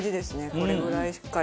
これぐらいしっかり。